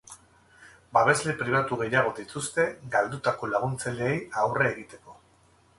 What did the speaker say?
Babesle pribatu gehiago dituzte, galdutako laguntzaileei aurre egiteko.